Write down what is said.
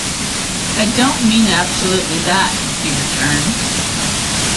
"I don't mean absolutely that," he returned.